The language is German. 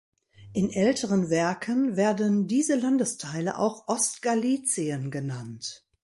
In älteren Werken werden diese Landesteile auch "Ostgalizien" genannt.